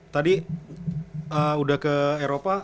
tadi udah ke eropa